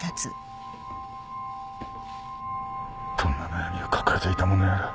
どんな悩みを抱えていたものやら。